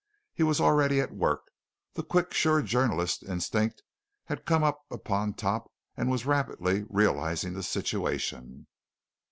He was already at work the quick, sure journalistic instinct had come up on top and was rapidly realizing the situation.